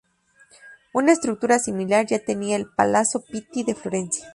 Una estructura similar ya tenía el "Palazzo Pitti" de Florencia.